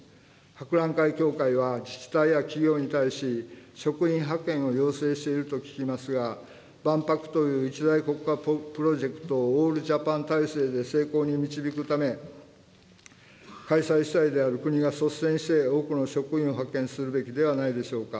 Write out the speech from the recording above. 博覧会協会は自治体や企業に対し、職員派遣を要請していると聞きますが、万博という一大国家プロジェクトをオールジャパン体制で成功に導くため、開催主体である国が率先して多くの職員を派遣するべきではないでしょうか。